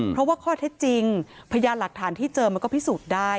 เพราะว่าข้อเท็จจริงพยานหลักฐานที่เจอมันก็พิสูจน์ได้